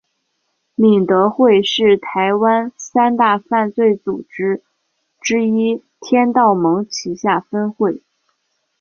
敏德会是台湾三大犯罪组织之一天道盟旗下分会。